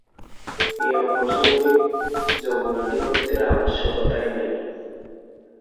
এ অপ্রাসঙ্গিক যবনাধিপত্যের আবশ্যকতাই নাই।